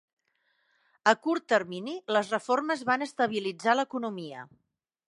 A curt termini, les reformes van estabilitzar l'economia.